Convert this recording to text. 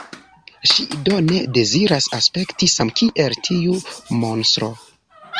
Ŝi do ne deziras aspekti samkiel tiu monstro.